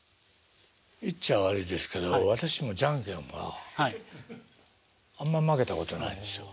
言っちゃ悪いですけど私もじゃんけんはあんま負けたことないんですよ。